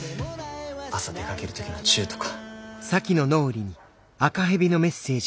朝出かける時のチューとか。